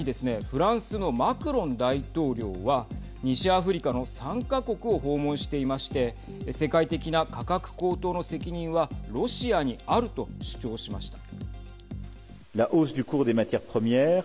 フランスのマクロン大統領は西アフリカの３か国を訪問していまして世界的な価格高騰の責任はロシアにあると主張しました。